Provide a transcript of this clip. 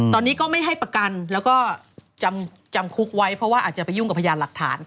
ตอนนี้ก็ไม่ให้ประกันแล้วก็จำคุกไว้เพราะว่าอาจจะไปยุ่งกับพยานหลักฐาน